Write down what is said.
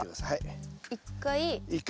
１回。